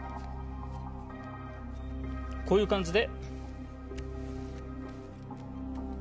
こういう感じで。